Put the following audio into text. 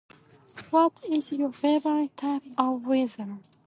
What is your favorite type of weather?